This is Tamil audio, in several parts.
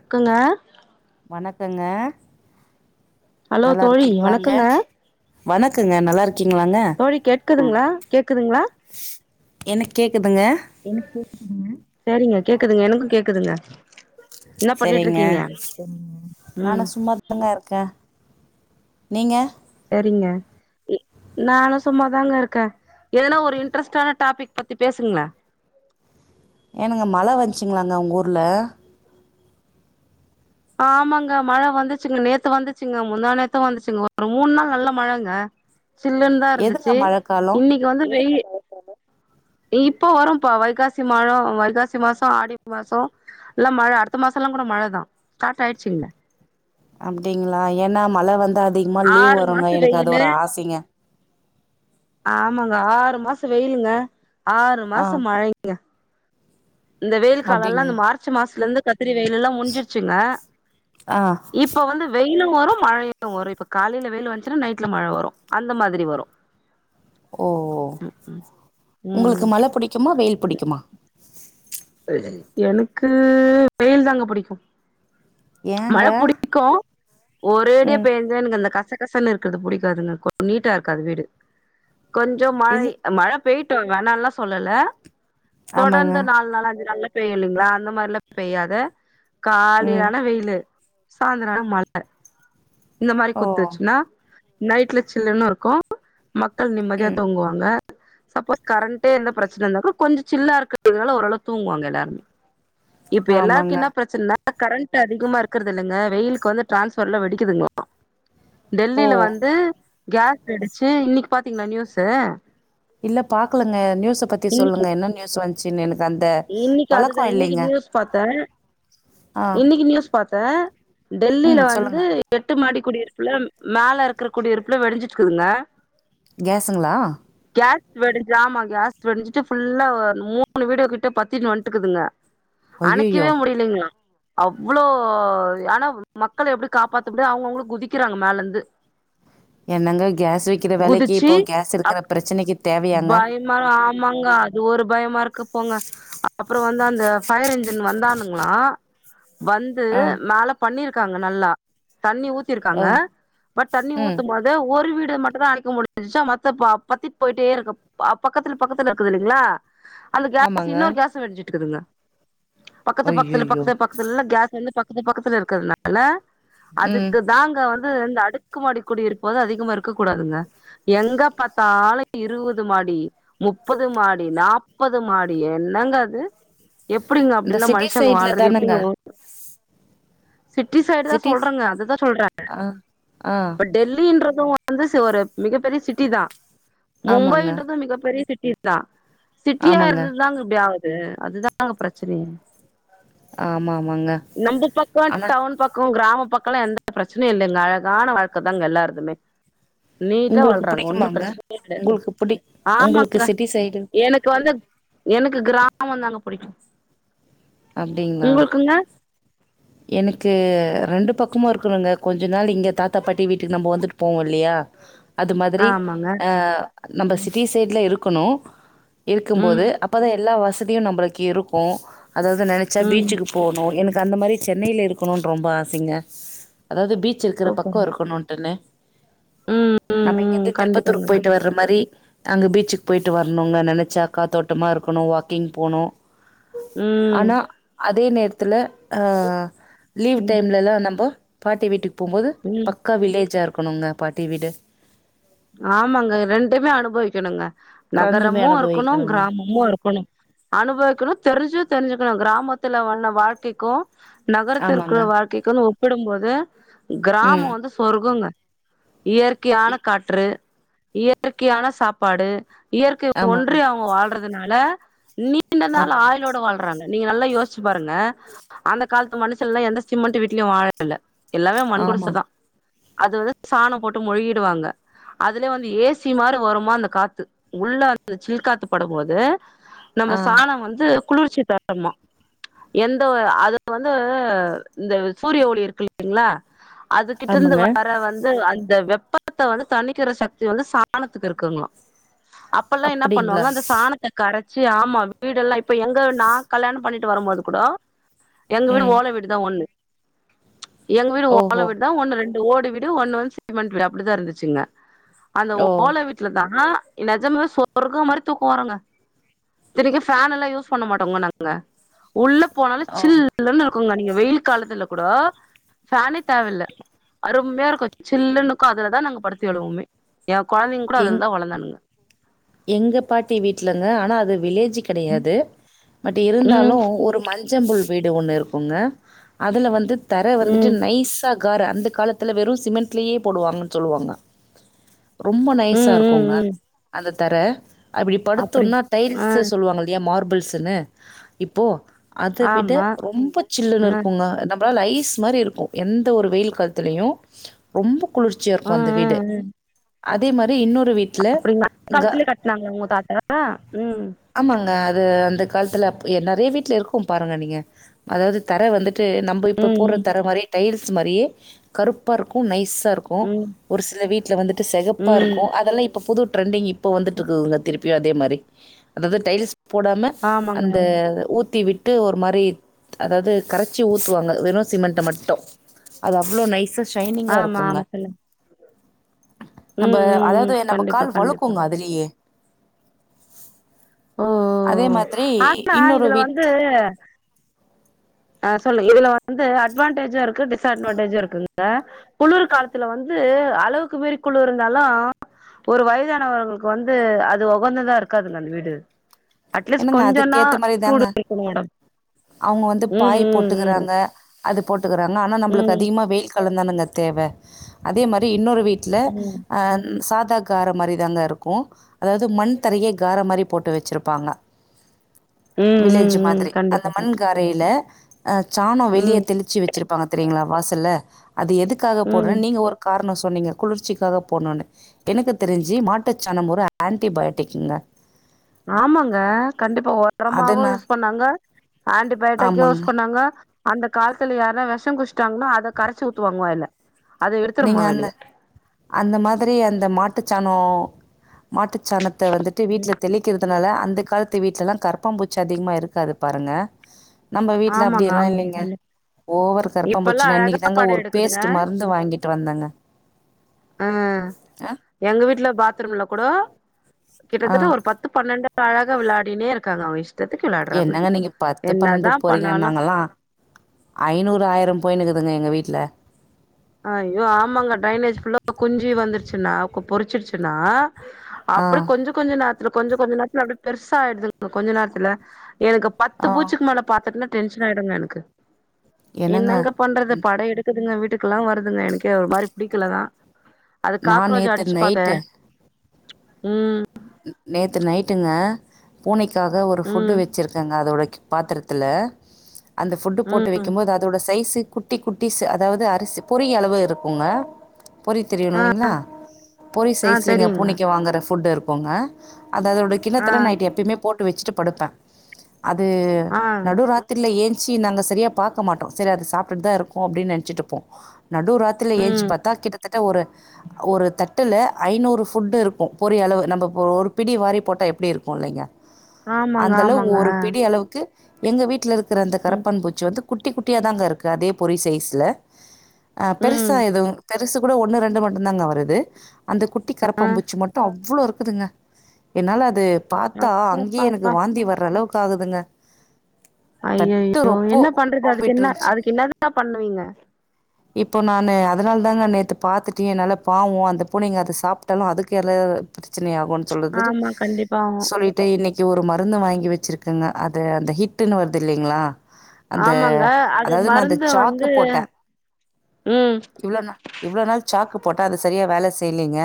இருக்குங்க சங்க ஹலோ தோழி வணக்கங்க வணக்கங்க நல்லாருக்கு தோழி கேட்கதுங்களா கேக்குதுங்களா என்ன கேக்குதுங்க எனக்கு கேக்குதுங்க சரிங்க கேக்குதுங்க எனக்கு கேக்குதுங்க என்ன சரிங்க பண்ணிட்ருக்கீங்க நானு உம் சும்மாதாங்க இருக்கே நீங்க ங்க எ நானு சும்மாதாங்க இருக்கே ஏன்னா ஒரு இன்ட்ரஸ்டான டாபிக் பத்தி பேசுங்களே ஏனங்க மழ வந்ச்சுங்களாங்க உங்க ஊர்ல ஆமாங்க மழ வந்துச்சுங்க நேத்து வந்துச்சுங்க முந்தா நேத்து வந்துச்சுங்க ஒரு மூணு நாள் நல்ல மழங்க சில்லுன்னு தான் எதுங்க இருந்துச்சு மழ காலோ இன்னைக்கு வந்து வெயி இப்போ வரும்ப்பா வைகாசி மழம் வைகாசி மாசம் ஆடி மாசம் எல்லாம் மழ அடுத்த மாசம் எல்லாம் கூட மழதான் ஸ்டார்ட் ஆயிடுச்சு இங்க அப்படிங்களா ஏன்னா மழை வந்தா அது அதிகமா லீவ் ஆறு வருங்க மாசோ எனக்கு அது வெயிலு ஒரு ஆசைங்க ஆமாங்க ஆறு மாசம் வெயிலுங்க ஆறு ஆ மாசம் மழைங்க இந்த வெயில் காலம் எல்லாம் இந்த அப்டிங்களா மார்ச் மாசத்துல இருந்து கத்திரி வெயில எல்லாம் முடிஞ்சிருச்சுங்க ஆ இப்ப வந்து வெயி இன்னுமா மலையும் வரும் இப்ப காலையில வேயிலு வந்துச்சுன்னா நைட்ல மழை வரும் அந்த மாதிரி வரும் ஓ உங்களுக்கு ம் மழ புடிக்குமா வெயில் புடிக்குமா எனக்கு வெயில் தாங்க புடிக்கும் ஏங்க மழை புடிக்கும் ஒரேடியா ம் பெய்ஞ்சா எனக்கு அந்த கச கசன்ன இருக்குது பிடிக்காதுங்க கொஞ்சம் நீட்டா இருக்காது வீடு கொஞ்சம் மழை இல்லி மழ பெயிட்டும் வேனான்லா சொல்லல ஆமாங்க தொடர்ந்து நாளு நாளா நல்லா பெயும் இல்லைங்களா அந்த மாதிரிலாம் பெய்யாத ம் காலைலான வெயிலு சாய்ந்திரான மழ இந்த மாதிரி ஓ குத்துருச்சுன்னா நைட்ல சில்லன்னுருக்கு மக்கள் நிம்மதியா ம் தூங்குவாங்க சப்போஸ் கரண்டே எந்த பிரச்சன இருந்தா கூட கொஞ்சோ சில்லா இருக்கு இதனால ஓரளவுக்கு தூங்குவாங்க எல்லாருமே இப்ப எல்லாருக்கு ஆமாங்க என்ன பிரச்சன்னா கரண்ட் அதிகமா இருக்கறது இல்லங்க வெயிலுக்கு வந்து டிரான்ஸ்ஃபார்ம்ல வெடிக்குதுங்களா டெல்லில ஓ வந்து கேஸ் வெடுச்சு இன்னிக்கி பாத்தீங்களா நியூஸு இல்ல பாக்கலங்க நியூஸ பத்தி சொல்லுங்க என்ன நியூஸ் வந் சின் எனக் இன்னிக்கி அதுதா இன்னிக்கி நியூஸ் பாத்தே ஆ. இன்னிக்கி நியூஸ் பாத் தே ம். டெல்லில வந்து சொல்லுங்க. எட்டு மாடி குடியிருப்புல மேலருக்கற குடியிருப்புல வெடிஞ்சிட்ருக்குதுங்க கேஸுங்களா கேஸ் வெடிஞ்சாமாங் கேஸ் வெடிஞ்சிட்டு ஃபுல்லா மூணு வீடுக் ட்ட பத்திட்ன்னு வந்ட்டுக்குதுங்க அய்யய்யோ! அணைக்கேவே முடியலேங்ளா அவ்ளோ ஆனா மக்களை எப்டி காப்பாத்த முடியு அவுங்கவுங்களு குதிக்கிறாங்க மேலந்து என்னங்க கேஸ் விக்கிற வேலைக்கி இப்போ கேஸ் இருக்கற அப் பிரச்சனைக்கி தேவையாங்க பயமாருக்கு போங்க அ-அப்புறோ வந்து அந்த ஃபயர் இன்ஜின் வந்தானுங்ளா வந்து ஆ. மேல பண்ணிர் க்காங்க நல்லா தண்ணி ஓ! ஊத்திருக்காங்க பட் தண்ணி ம். ஊத்தும் போது ஒரு வீட் மட்டுதா அனைக்க முடிஞ்சுச்சா மத்த ப-பத்தி போயிட்டேருக்கு அ பக்கத்துல பக்கத்துல இருக்குதில்லிங்ளா சு ஆமாங்க. இன்னொரு கேசு வெடிஞ்சிட்ருக்குதுங்க பக்கத்து பக்கத்துல அய்யய்யோ! பக்கத்து பக்கத்துல்லா கேஸ் ன்னு பக் பக்கத்து பக்கத்துல இருக்கறனால ம். அதுக்கு தாங்க வந் து இந்த அடுக்கு மாடி குடியிருப்பும்போது அதிகமா இருக்கக்கூடாதுங்க எங்க பாத்தாலு இருவது மாடி முப்பது மாடி நாப்பது மாட் ட்டு என்னங்க அது எப்டிங்க இந்த அப்டில்லா சிட்டி மனுஷங்க சைட்ல வாழ்றது தானங்க? எப்டிங்க சிட்டி சைடுதா சிட்டி சொல்றங்க அதுதா சொல்ற ஆ. ஆ. இப்ப டெல்லின்ற து வந்து ஒரு மிகப்பெரிய சிட்டிதா ஆமாங்க. மும்பைன்றது மிகப்பெரிய சிட் யிதா சிட்டியா ஆமாங்க. இருந் அப்டி ஆவுது அதுதான்ங்க பிரச்சனயே ஆமா, ஆமாங்க. நம்ப பக்கோ ஆனா, டவுன் பக்கோ கிராம பக்கள்ளா எந்த பிரச்சனையு இல்லைங்க அழகான வாழ்கதாங்க எல்லாருதுமே நீட்டா உங்களுக்கு வாழ்றாங்க ஒன்னூ புடிக்குமாங்க? பிரச்சனயே கிடையாது உங்களுக்கு புடி உங்களுக்கு ஆமாங்க சிட்டி சைடு? எனக்கு வந்து எனக்கு கிராமோதாங்க புடிக்கூ அப்டிங்ளா எனக்கு ரெண்டு பக்கமும் இருக்கணுங்க கொஞ்சோ நாள் இங்க தாத்தா பாட்டி வீட்டுக்கு நம்ம வந்துட்டு போவோ இல்லயா அது மாதிரி ஆமாங்க ஆஃ நம்ம சிட்டி சைடுல இருக் க்குனூ ம் இருக்கும்போது அப்பதா எல்லா வச பத்தியூ நம்மளுக்கு இருக்கு அதாவது நினைச்சா ம் பீச்சுக்கு போணு எனக்கு இது அந்த மாரி சென்னையில இருக்கணுனு ரொம்ப ஆசைங்க அதாவது பீச் இருக்கிற பக்க சூப்பருங்க இருக்கணுட்டுன்னு ம் ம் நம்ம இங்க ம் இருந்து கண்டிப்பாங்க திருப்பத்தூருக்கு கண் போயிட்டு வர்ற மாரி அங்க பீச்சுக்கு போயிட்டு வரணுங்க நினைச்சா காத்தோட்டமா இருக்கணு வாக்கிங் போனு ம் ஆனா அதே நேரத் த்துல ஆ லீவ் ம் டைம்லல்லா நம்போ பாட்டி வீட்டுக் போம்போது ம் பக்கா வில்லேஜா இருக்கு க்கனுங்க பாட்டி வீடு ஆமாங்க ரெண்டுமே அனுபவிக்கணுங்க ரெண்டுமே நகரமு இருக்கணு அனுபவிக்கணுங்க கிராமமு இருக்கணு அனுபவிக்கணு தெரிஞ்சு தெரிஞ்சுக்கணு கிராமத்துல வாழ்நா வாழ்க்கைக்கு நகரத்த ஆமாங்க இருக்கிற வாழ்க்கைக்கு ஒப் ப்பிடும் போது கிராமோ ம் வந்து சொர்ககுங்க இயற்கையான ரு இயற்கையான சாப்பாடு இயற்கைய ஆமாங்க ஒன்றி அவங்க வாழ்றதுனால நீ ண்ட நாள் ஆமாங்க ஆயிலோட வாழ்றாங்க நீங்க நல்லா யோசிச்சு பாருங்க அந்த காலத்து மனுஷன்ல எந்த சிமெண்ட் வீட்லயு வாழல எல்லாமே மண் ஆமா குடுசதா அது வந்து சாண போட்டு மொழிகிடுவாங்க அதுலய வந்து ஏ சி மார வருமா அந்த காத்து உள்ள அந்த ஜில் காத்து படும்போது நம்ம ஆ சாண வந்து குளிர்ச்சி தரும எந்த அது வந்து இந்த சூரிய ஒளி இருக்கு இல்லைங்களா அதுகிட்ட இருந்து ஆமாங்க வர வந்து அந் த வெப்பத் த தணிக்கிற சக்தி வந்து சாணத்துக்கு இருக்குங்களா அப்பல்லா என்ன அப்டிங்களா பண்ணுவாங்க அந்த சாணத்தக் கரச் ச்சி ஆமா வீடெல்லா இப்ப எங்க நா கல்யாண பண்ணி ட்டு வரம்போது குடோ எங்க வீடு ம் ஓல வீடுதா ஒண்ணு எங்க வீடு ஓல ஓஹோ வீடுதா ஒண்ணு ரெண் டு ஓடு வீடு ஒன்னு வந்து சிமெண்ட் வீடு அப்டிதா இருந்திச் சிங்க அந்த ஓ ஓல வீட்ல தா நெஜமா சொர்கோ மாரி தூக்கோ வருங்க இத்தனைக்கு ஃபேனெல்லா யூஸ் பண்ண மாட்டோங்க நாங்க உள்ள போனாலே ஓ சில்லுனுருக் குங்க நீங்க வெயில் காலத்துல கூடோ ஃபேனே தேவ்ல்ல அரும்மையா இருக்கு சில்லுனுக்கு அதுல தா நாங் படுத்து எழுவுமே எங் எங்க பாட்டி வீட்லங்க ஆனா அது வில்லே ஜ் கெடயாது பட் இருந்தாலு ம் ஒரு மஞ்சம்புல் வீடு ஒண்ணு இருக்குங்க அதுல வந்து தர வந்துட்டு ம் நைசா கார அந்த காலத்துல வெறு சிமெண்ட்லேயே போடுவாங்ன் சொல்வாங்க ரொம்ப நைஸா ம் ம் இருக்குங்க ம் அந்த தர அப்டி படுத்துன்னா ஆ டைல்சு சொல்வாங் இல்லையா மார் பில்ஸ்ன்னு இப்போ அத விட ஆமா ரொம்ப சில்லுன்னு ஆ இருக்குங்க நம் ப ஐஸ் மாரி இருக்கு எந்த ஒரு வெயில் காலத்திலயு ரொம்ப ஆ குளிர்ச்சியாருக்கு அந்த ஆ வீடு ஆ அதே மா ரி இன்னொரு வீட்டுல அப்டிங்களா அந்த க காலத்துலயே கட்னாங்களா உங்க தாத்தா ம் ஆமாங்க அது அந்த காலத்துல அப் எ நெறைய வீட்ல இருக்கு பாருங்க நீங்க அதாது தர வந்து ட்டு நம்ம இப்ப போட்ற ம் தர மாரி டைல்ஸ் ஸ் மாரியே கருப்பா இருக்கு நைஸ் சா இருக்கு ம் ம் ஒரு சில வீட்ல வந்து ட்டு செகப்பா ம் இருக்கு அதெல்லா இப்ப புது ட்ரெண்டிங்கி இப்போ வந்துட்ருக்குங்க திருப் பி அதே மாரி அதாது டைல்ஸ் போடாம ஆமாங்க அந்த ஆமா ஊத்தி விட் [unintelligible] ஒரு மாரி அதாவ்து கரைச்சி ஊத்துவாங்க வெறு சிமெண்ட மட்டோ அது அவ்வளோ நைஸ்ஸு சைனிங்கா ஆமா இருக்குங்க ஆமா சொல்லுங்க நம்ம ம் ம் ம் அதாவ்து நம்ம கண்டிப்பா கால் கண்டிப்பா வழுக்குங்க அதுலியே ஓ ஓ அதே ஓ மாதிரி ஆனா இன்னொரு இதுல வீட் வந்து ஆஹ் சொல்லுங்க இதுல வந்து அட்வான்டேஜு இருக் கு டிஸ் அட்வாண்டேஜீ இருக்குங் க குளுரு காலத்துல வந்து அளவுக்கு மீறி குளுரு இருந்தாலு ஒரு வயதானவங்களுக்கு வந்து அது உகந்ததா இருக்காதுங்க அந்த வீடு அட்லீஸ்ட் என்னங்க கொஞ்சோனா அதுக்கேத்த மாரி சூடு தாங்க. இருக்குணு மேடம் அவங்க வந்து பாய் போட்டுக்குறாங்க அது போட் டுகுறாங்க ஆனா நம்மளுக்கு ம் அதிகமாக வெய்யி காலதானாங்க தேவ அதே மாரி இன்னொரு வீட்டில ம் ஆஹ் சாத [unintelligible] கார மாரி தாங்க இருக்கு அதாவ்து மண் தரையே கார மாரி போட்டு வச்சிருப்பாங்க ம் வில்லேஜ்ஜூ ம் ம் மாத்ரி அந்த கண்டிப்பா கண்டிப்பா மண்காரையில ஆஹ் சாணம் வெளியே ம் தெளிச்சு வச்சிருப்பாங்க தெரியங்களா வாசல்ல அது எதுக்காக போடுற ம் நீங்க ஒரு காரணம் சொன்னீங்க குளிர்ச்சிக்காக போடணும்னு எனக்கு தெரிஞ்சு மாட்டுச்சாணம் ஒரு ஆண்டிபயோட்டிக்குங்க ஆமாங்க கண்டிப்பா உரமாவும் அதனா யூஸ் பண்ணாங்க ஆன்டிபயாட்டிக்கும் யூஸ் ஆமாங்க. பண்ணாங்க அந்த காலத்துல யாருனா விஷம் குடிச்சிட்டாங்கனா அத கரைச்சி ஊத்துவாங்க வாய்ல நீங்க அந்த அந்த மாத்ரி அந்த மாட் ட்டுச்சானோ மாட்டுச்சாணத்த வந்துட்டு வீட்டுல ம். தெளிக்கிறதுனால அந்த காலத்து வீட்டுல எல்லாம் கரப்பாம்பூச்சி அதிகமா இருக்காது பாருங்க நம்ம வீட்டுல ஆமாங்க அப்டியெல்லாம் இல்லைங்க ஆமாங்க ஓவரு இப்பல்லா கரப்பாம்பூச்சி இன்னைக்கு தாங்க ஒரு பேஸ்ட் மருந்து வாங்கிட் ஆஹ் ஆ எங்களுக் வீட்டுல பாத்ரூம்ல கூடோ ஆ கிட்டத்தட்ட ஒரு பத்து பன்னண்டு அழகா விள்ளாடினே இருக்காங்க அவ்ங் இஷ் என்னங்க நீங்க பத்து பன்னெண்டு பொறை ஏன் பண்ணாலு நாங்கல்லாம் ஐநூறு ஆயிரம் போயின்னு இருக்குதுங்க எங்க வீட்ல அய்யோ ஆமாங்க ட்ரைனேஜ் ஃபுல்லா குஞ்சி வந்துருச்சுனா கு பொறிச்சிருச்சுனா ஆ அப்றம் கொஞ்ச கொஞ்ச நேர் [unintelligible] கொஞ்ச கொஞ்ச நேரத்துல அப்டியே பெருசா ஆயிடுதுங்க கொஞ்ச நேரத்துல எனக்கு பத்து ஆ பூச்சிக்கு மேல பாத்துட்டுன்னா டென்ஷன் ஆயிடும்ங்க எனக்கு என்னங்க பண்றது பட எடுக்குதுங்க வீட் கில்லாம் வருதுங்க எனக்கே ஒரு மாரி புடிக்கில தா நா நேத்து நைட்டு உம் த்து நைட்டுங்க பூனைக் க்காக ஒரு ஃபுட்டு் ம் வச்சிருக்கங்க அதோடை பாத்தரத்துல அந்த ஃபுட்டு போட்டு ம் வைக்கும் போது அதோட சைஸுக் குட்டி குட்டிஸ்ஸு அதாவது அரிசி பொரியளவு இருக்குங்க பொரி தெரியணும் ஆ இல்லைங்களா பொரி ஆ சைஸ்லங்க தெரியுங்க பூனைக்கு வாங்குற ஃபுட் இருக் போங்க அது அதோட ஆ கிண்ணத்தல நைட் எப்பயுமே போட் ட்டு வச்சுட்டு படுப்பேன் அது ஆ நடுராத்திரில ஏஞ் ச்சீ நாங்க செரியா பாக்க மாட்டோம் செரி அத சாப்ட்டுட்டு தான் இருக்கோம் அப்டின்னு நெனைச்சிட்டு இருப்போம் நடுராத்திரில ஏஞ்சு ம் பாத்தா கிட்டத்தட்ட ஒரு ஒரு தட்டுல ஐநூறு ஃபுட்டு இருக்கும் பொரி அளவு நம்ம இப்ப ஒரு பிடி வாரி போட்டா எப்படி இருக்கும் இல்லைங்க ஆமாங்க அந்தளவு ஆமாங்க ஒரு பிடி அளவுக்கு எங்க வீட்ல இருக் யிருக்கிற அந்த ம் கரப்பான் பூச்சி வந்து குட்டி குட்டியாக தாங்க இருக்கு அதே பொறி சைஸ்ல ஆ ம் பெருசா எதுவும் பெர் ட்ரெஸு கூட ஒண்ணு ரெண்டு மட்டுதாங்க வருது அந்த குட்டி கரப்பாபூச்சி மட்டு அவ்ளோ இருக் குதுங்க என்னால அது பாத்தா அங்கேயே எனக்கு அப்பப்பப்பா வாந்தி வர அளவுக்கு ஆகுதுங்க தட்டு ஐஐயோ ரொப்போ என்ன பண்றது அதுக்கு ரொம்பிட்டு என்னா இருந்துச்சு. அதுக்கு என்னதா பண்ணுவீங்க இப்போ நானு அதனால தாங்க நேத்து பாத்துட்டு என்னால பாவோ அந்த பூனைங்க அத சாப்ட்டாலோ அதுக்கு எதாது பிரச்சனை ஆகுன்னனு சொல்லுதுனு ஆமா கண்டிப்பா சொல்லிட்டே இன்னைக்கு ஒரு மருந்து வாங்கி வெச் வெச்சிருக்காங்க அது அந்த ஹிட்டுன்னு வருது இல்லைங்ளா அந்த ஆமாங்க அது அதாவது நா அந்த மருந்து ச்சாக்கு வந்து போட்டே ம் இவ்ளோ நா இவ்ளோ நாள் ச்சாக்கு போட்டா அது சரியா வேல செய்லீங்க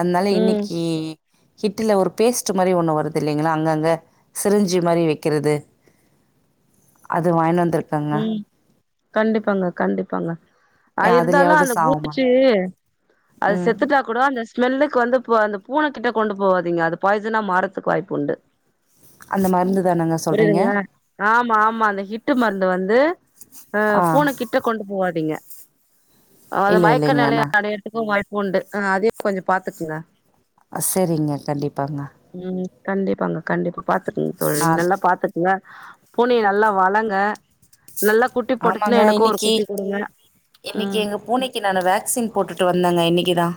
அத்னால இன்னி ம் க்கி ஹிட்டுல ஒரு பேஸ்ட்டு மாறி ஒண்ணு வருது இல்லைங்ளா அங்கங்க சிரிஞ்சி மாறி வெக்கிறது அது வாங்கிட்வந் ம் [unintelligible] கண்டிப்பாங்க கண்டிப்பாங்க அது இருந்தாலு அதுலயாவது அந்த சாவுமா பூச்சி அது ம் செத்துட்டா கூட அந்த ஸ்மெல்லுக்கு வந்து பூ அந்த பூன கிட்ட கொண்டு போவாதீங்க அது பாய்சனா மாறத்துக்கு வாய்ப்புண்டு அந்த மருந்து தானேங்க சொல்றீங்க ம்மா அந்த ஹிட்டு மருந் வந்து ஆஹ் ஆ பூன கிட்ட கொண்டு போவாதீங்க அது இல்ல மயக்க நெலைய இல்லைங்கண்ணா அடையருத்துக்கு வாய் உண்டு ஆஹ் அதயு கொஞ்சோ பாத்துக்குங்க செரிங்க கண்டிப்பாங்க ம் கண்டிப்பாங்க கண்டிப்பா பாத்துக்கங்க தோழி நா நல்லா பாத்துக்கங்க பூனைய நல்லா வளங்க நல்லா குட்டி ஆமாங்க போட்டுச்சுன்னா எனக்கு ஒரு இன்னிக்கு குட்டி குடுங்க ம் இன்னிக்கு எங்க பூனைக்கு நானு வேக்சின் போட்டுட்டு வந்தேங்க இன்னைக்குதா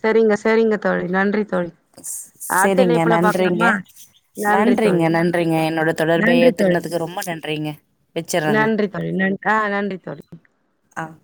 சரிங்க சரிங்க தோழி நன்றி தோழி அடுத்த செரிங்க இணைப்புல நன்றிங்க பாக்கலாமா நன்றி நன்றிங்க தோழி நன்றிங்க என்னோட தொடர்ப நன்றி தோழி ஏத்துக்கனதுக்கு ரொம்ப நன்றிங்க வெச்சேறேங்க நன்றி தோழி நன் ஆ நன்றி தோழி ஆஹ்